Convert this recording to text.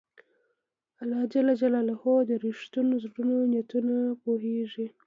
الله د رښتینو زړونو نیتونه پوهېږي.